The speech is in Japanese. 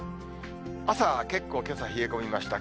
朝結構けさ、冷え込みました。